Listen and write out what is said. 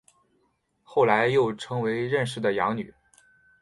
后来又成为任氏的养女。